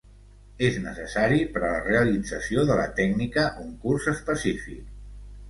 És necessari per a la realització de la tècnica un curs específic.